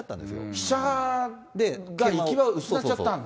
飛車が行き場を失っちゃったんだ。